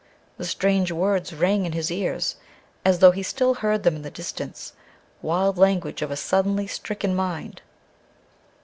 The strange words rang in his ears, as though he still heard them in the distance wild language of a suddenly stricken mind.